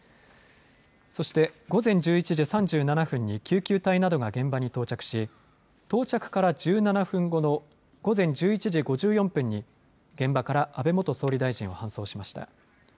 そして午前１１時３７分に救急隊などが現場に到着し到着から１７分後の午前１１時５４分に現場から安倍元総理大臣を搬送しました。